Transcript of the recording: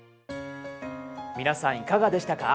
皆さんいかがでしたか？